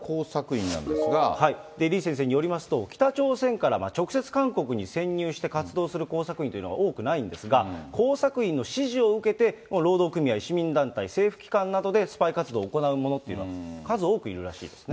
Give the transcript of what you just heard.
李先生によりますと、北朝鮮から直接韓国に潜入して活動する工作員というのは多くないんですが、工作員の指示を受けて労働組合、市民団体、政府機関などでスパイ活動を行うものっていうのは、数多くいるらしいですね。